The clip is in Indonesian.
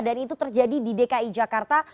dan itu terjadi di dki jakarta